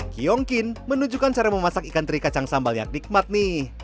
kiong kin menunjukkan cara memasak ikan teri kacang sambal yang nikmat nih